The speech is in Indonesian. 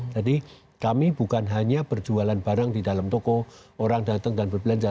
jadi kami bukan hanya berjualan barang di dalam toko orang datang dan berbelanja